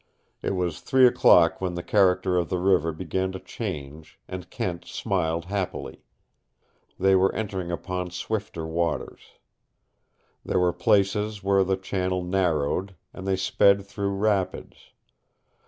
It was three o'clock when the character of the river began to change, and Kent smiled happily. They were entering upon swifter waters. There were places where the channel narrowed, and they sped through rapids.